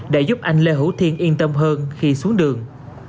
để giúp anh lê hữu thiên yên tâm hơn khi xuống đường